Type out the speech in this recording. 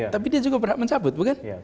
tapi dia juga berhak mencabut bukan